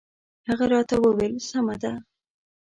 هغه راته وویل سمه ده.